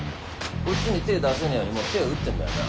こっちに手ぇ出せねえようにもう手は打ってんだよな？